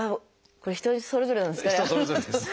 人それぞれなんですかね。